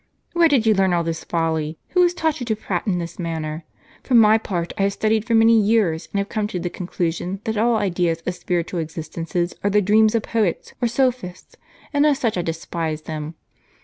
"Where did you learn all this folly? Who has taught you to prate in this manner ? For my part, I have studied for many years, and have come to the conclusion, that all ideas of spiritual existences are the dreams of poets, or sophists ; and as such I despise them.